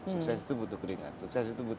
sukses itu butuh kelingkatan